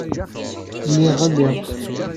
Lliɣ ɣelliɣ.